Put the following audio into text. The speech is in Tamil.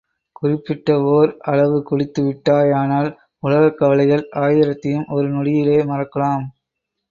குறிப்பிட்ட ஓர் அளவு குடித்து விட்டாயானால் உலகக்கவலைகள் ஆயிரத்தையும் ஒரு நொடியிலே மறக்கலாம்.